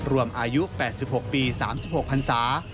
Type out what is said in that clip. รวมอายุ๘๖ปี๓๖พันศา